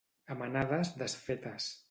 A manades desfetes.